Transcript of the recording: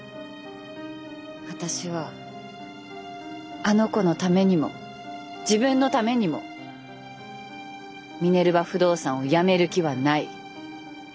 私はあの子のためにも自分のためにもミネルヴァ不動産をやめる気はない！